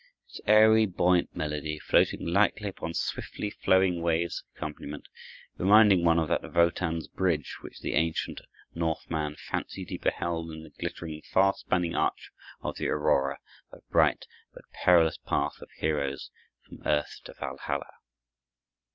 Its airy, buoyant melody, floating lightly upon swiftly flowing waves of accompaniment, reminding one of that Wotan's bridge which the ancient Northman fancied he beheld in the glittering, far spanning arch of the aurora, that bright, but perilous, path of heroes from Earth to Walhalla.